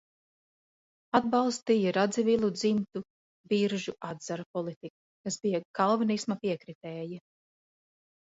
Atbalstīja Radzivilu dzimtu Biržu atzara politiku, kas bija kalvinisma piekritēji.